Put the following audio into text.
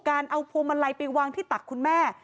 การเอาพวงมาลัยไปวางที่ตักคุณแม่